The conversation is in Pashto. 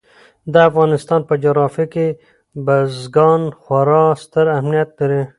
د افغانستان په جغرافیه کې بزګان خورا ستر اهمیت لري.